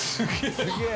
すげえ！